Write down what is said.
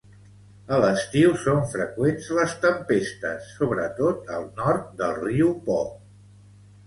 A l'estiu són freqüents les tempestes, sobretot al nord del riu Po.